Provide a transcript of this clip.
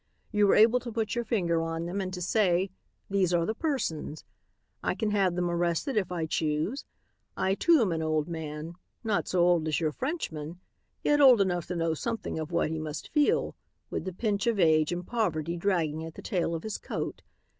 You are able to put your finger on them and to say, 'These are the persons.' I can have them arrested if I choose. I too am an old man; not so old as your Frenchman, yet old enough to know something of what he must feel, with the pinch of age and poverty dragging at the tail of his coat.